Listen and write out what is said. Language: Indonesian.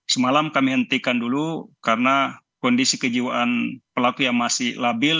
semalam kami hentikan dulu karena kondisi kejiwaan pelaku yang masih labil